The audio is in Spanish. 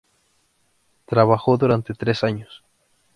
Trabajó durante tres años.